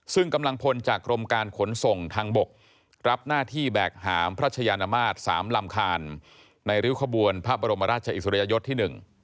ซึ่งกำลังพลจากกรมการขนส่งทางบกรับหน้าที่แบกหามพระชายานมาตร๓ลำคาญในริ้วขบวนพระบรมราชอิสริยยศที่๑